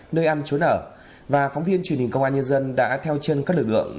nơi ăn trốn ở và phóng viên truyền hình công an nhân dân đã theo chân các lực lượng